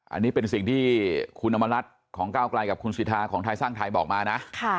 อันนี้เป็นสิ่งที่คุณอำมารัฐของก้าวไกลกับคุณสิทธาของไทยสร้างไทยบอกมานะ